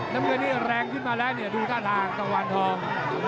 น้ำเงินนี่แรงขึ้นมาแล้วเนี่ยดูท่าทางตะวันทอง